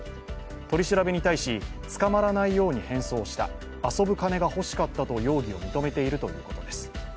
取り調べに対し、捕まらないように変装した、遊ぶ金が欲しかったと容疑を認めているということです。